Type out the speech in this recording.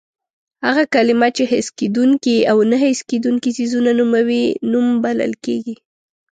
هغه کلمه چې حس کېدونکي او نه حس کېدونکي څیزونه نوموي نوم بلل کېږي.